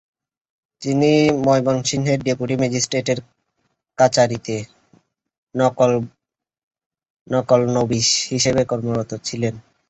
তিনি ময়মনসিংহের ডেপুটি ম্যাজিস্ট্রেটের কাচারিতে নকলনবিশ হিসেবে কর্মরত ছিলেন।